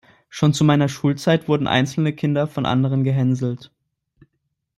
Schon zu meiner Schulzeit wurden einzelne Kinder von anderen gehänselt.